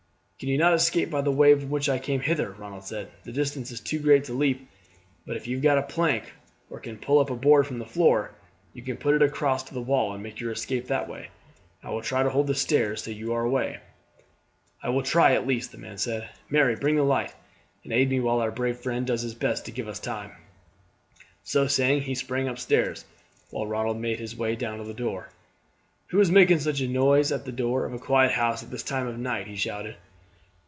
"Can you not escape by the way by which I came hither?" Ronald said. "The distance is too great to leap; but if you have got a plank, or can pull up a board from the floor, you could put it across to the wall and make your escape that way. I will try to hold the stairs till you are away." "I will try at least," the man said. "Mary, bring the light, and aid me while our brave friend does his best to give us time." So saying he sprang upstairs, while Ronald made his way down to the door. "Who is making such a noise at the door of a quiet house at this time of night?" he shouted.